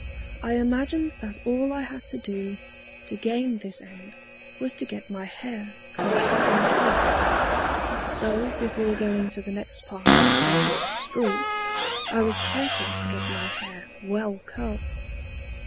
I imagined that all I had to do to gain this end was to get my hair curled like his. So before going to the next party or 'spree,' I was careful to get my hair well curled.